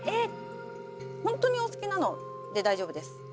本当にお好きなので大丈夫です。